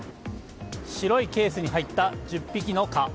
白いケースに入った１０匹の蚊。